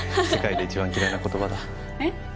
世界で一番嫌いな言葉だえっ？